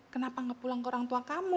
kenapa gak pulang ke orang tua kamu